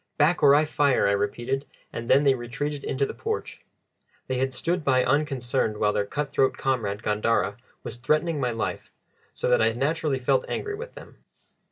"Back, or I fire!" I repeated, and then they retreated into the porch. They had stood by unconcerned while their cut throat comrade Gandara was threatening my life, so that I naturally felt angry with them.